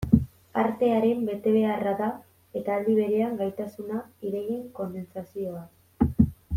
Artearen betebeharra da, eta aldi berean gaitasuna, ideien kondentsazioa.